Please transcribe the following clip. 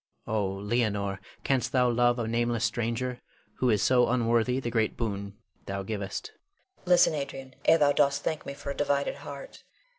Oh, Leonore, canst thou love a nameless stranger who is so unworthy the great boon thou givest. Leonore. Listen, Adrian, ere thou dost thank me for a divided heart.